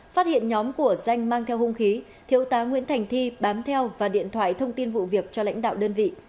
phát hiện nhóm của danh mang theo hung khí thiếu tá nguyễn thành thi bám theo và điện thoại thông tin vụ việc cho lãnh đạo đơn vị